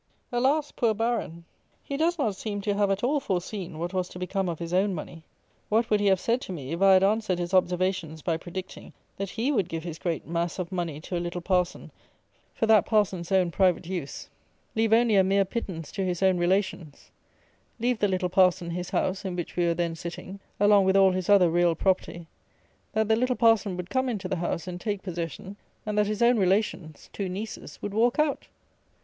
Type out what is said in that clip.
Alas! poor Baron! he does not seem to have at all foreseen what was to become of his own money! What would he have said to me, if I had answered his observations by predicting, that he would give his great mass of money to a little parson for that parson's own private use; leave only a mere pittance to his own relations; leave the little parson his house in which we were then sitting (along with all his other real property); that the little parson would come into the house and take possession; and that his own relations (two nieces) would walk out!